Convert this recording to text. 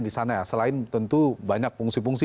di sana ya selain tentu banyak fungsi fungsi